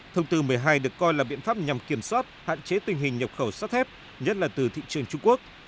thông tư một mươi hai được coi là biện pháp nhằm kiểm soát hạn chế tình hình nhập khẩu sắt thép nhất là từ thị trường trung quốc